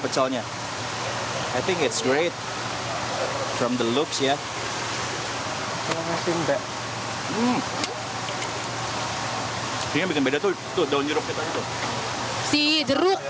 pecahnya i think it's great from the looks ya ini bikin beda tuh tuh daun jeruk itu sih jeruk